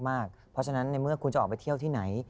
เพราะฉะนั้นในเมื่อคุณจะออกไปเที่ยวที่ไหน